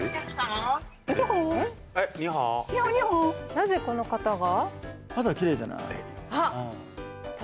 なぜこの方が？